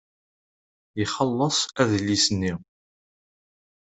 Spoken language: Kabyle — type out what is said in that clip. Ixelleṣ adlis-nni.